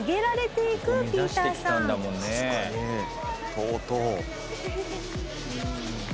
とうとう。